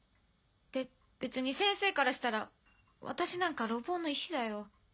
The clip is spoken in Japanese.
べ別に先生からしたら私なんか路傍の石だよ。